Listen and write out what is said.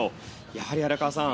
やはり荒川さん